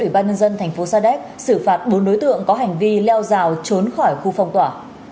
ủy ban nhân dân thành phố sa đéc xử phạt bốn đối tượng có hành vi leo rào trốn khỏi khu phong tỏa